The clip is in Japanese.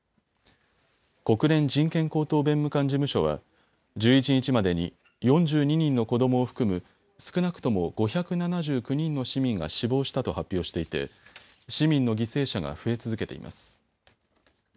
国連人権高等弁務官事務所は１１日までに４２人の子どもを含む少なくとも５７９人の市民が死亡したと発表していて市民の犠牲者が増え続けています。